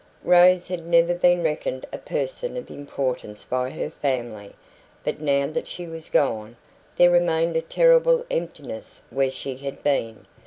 Rose had never been reckoned a person of importance by her family, but now that she was gone, there remained a terrible emptiness where she had been.